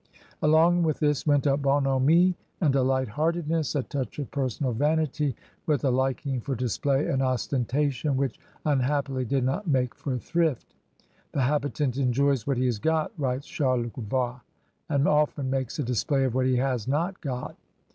Along with this went a bonhomie and a lightheartedness, a touch of personal vanity, with a liking for display and ostentation, which unhappily did not make for thrift. The habitant enjoys what he has got," writes Charlevoix, and often makes a display of what he has not got."